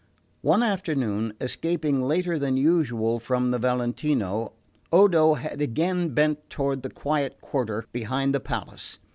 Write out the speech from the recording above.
One afternoon, escaping later than usual from the Valentino, Odo had again bent toward the quiet quarter behind the palace.